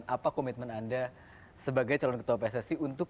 terima kasih sudah sedang ngomong berbahasa bahasa indonesia laudow